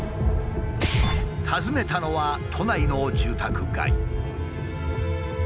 訪ねたのは都内の住宅街。